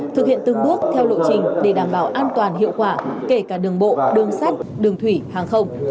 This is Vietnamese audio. thực hiện từng bước theo lộ trình để đảm bảo an toàn hiệu quả kể cả đường bộ đường sắt đường thủy hàng không